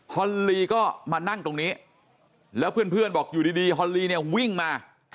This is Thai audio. ฮอนลีก็มานั่งตรงนี้แล้วเพื่อนบอกอยู่ดีฮอลลีเนี่ยวิ่งมา